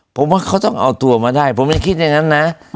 ผมว่าเขาต้องเอาตัวมาได้ผมไม่คิดอย่างนั้นน่ะอืม